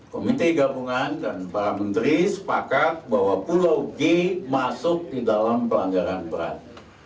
komite gabungan dan para menteri sepakat bahwa pulau g masuk di dalam pelanggaran berat